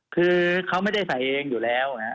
คือเขาไม่ได้ใส่เองอยู่แล้ว